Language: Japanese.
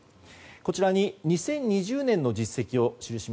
こちらに２０２０年の実績です。